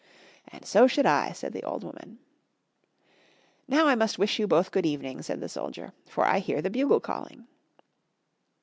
"And so should I," said the old woman. "Now I must wish you both good evening," said the soldier, "for I hear the bugle calling."